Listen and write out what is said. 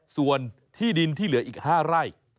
ส่วนที่ดินที่เหลืออีก๕ไร่